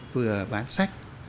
vừa bán sách